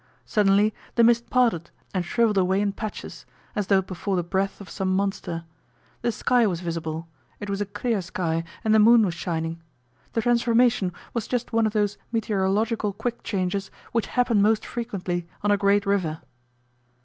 Suddenly the mist parted and shrivelled away in patches, as though before the breath of some monster. The sky was visible; it was a clear sky, and the moon was shining. The transformation was just one of those meteorological quick changes which happen most frequently on a great river.